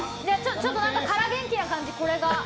ちょっと空元気な感じ、これが。